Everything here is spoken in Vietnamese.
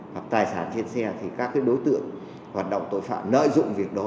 hoặc tài sản trên xe thì các cái đối tượng hoạt động tội phạm nợ dụng việc đưa ra